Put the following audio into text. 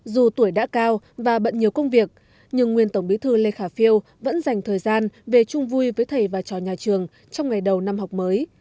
dù tuổi đã cao và bận nhiều công việc nhưng nguyên tổng bí thư lê khả phiêu vẫn dành thời gian về chung vui với thầy và trò nhà trường trong ngày đầu năm học mới